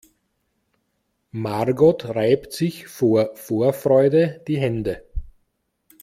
Margot reibt sich vor Vorfreude die Hände.